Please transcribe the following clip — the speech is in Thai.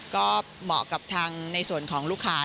ก็เหมาะกับทางในส่วนของลูกค้า